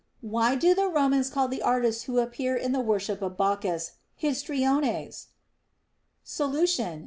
Why do the Romans call the artists who appear in the worship of Bacchus histrionesf Solution.